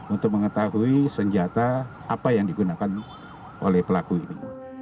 untuk mengetahui senjata apa yang digunakan oleh pelaku ini